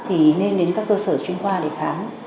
thì nên đến các cơ sở chuyên khoa để khám